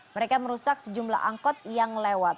mereka merusak sejumlah angkot yang lewat